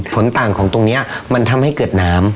ต่างของตรงนี้มันทำให้เกิดน้ำ